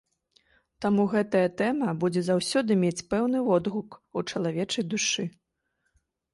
Таму гэтая тэма будзе заўсёды мець пэўны водгук у чалавечай душы.